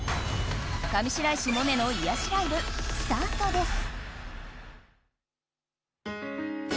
上白石萌音の癒やしライブスタートです。